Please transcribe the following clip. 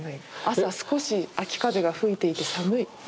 朝少し秋風が吹いていて寒い。